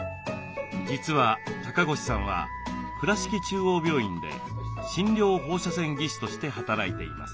実は高越さんは倉敷中央病院で診療放射線技師として働いています。